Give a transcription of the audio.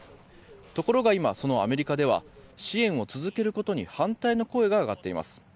ところが今、そのアメリカでは支援を続けることに反対の声が上がっています。